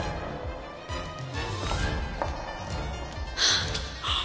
あっ！